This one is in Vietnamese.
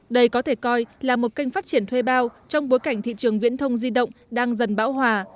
đây có thể coi là một kênh phát triển thuê bao trong bối cảnh thị trường viễn thông di động đang dần bão hòa